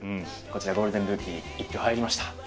ゴールデンルーキー１票入りました。